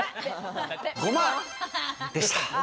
ごまでした。